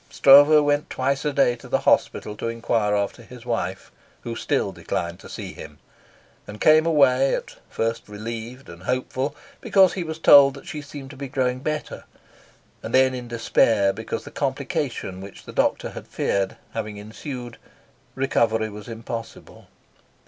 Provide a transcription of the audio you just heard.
Stroeve went twice a day to the hospital to enquire after his wife, who still declined to see him; and came away at first relieved and hopeful because he was told that she seemed to be growing better, and then in despair because, the complication which the doctor had feared having ensued, recovery was impossible.